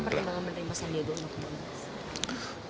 apa perkembangan menerima sandiaga uno